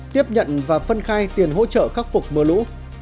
tiếp nhận và phân khai tiền hỗ trợ khắc phục mưa lũ